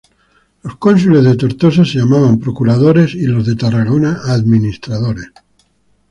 Los cónsules de Tortosa se llamaban procuradores, y los de Tarragona administradores.